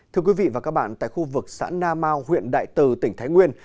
thưa quý vị và các bạn tại khu vực xã na mau huyện đại từ tỉnh thái nguyên